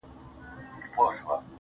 هغه په ژړا ستغ دی چي يې هيڅ نه ژړل